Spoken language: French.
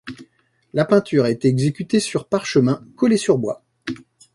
La peinture a été exécutée sur parchemin collé sur bois.